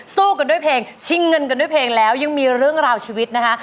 สู้กันด้วยเพลงชิงเงินกันด้วยเพลงแล้วยังมีเรื่องราวชีวิตนะคะ